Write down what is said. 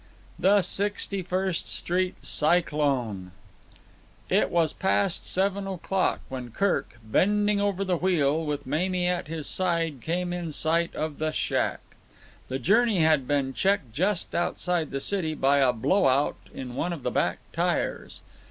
The Sixty First Street Cyclone It was past seven o'clock when Kirk, bending over the wheel, with Mamie at his side came in sight of the shack. The journey had been checked just outside the city by a blow out in one of the back tyres.